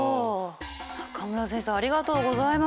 中村先生ありがとうございます！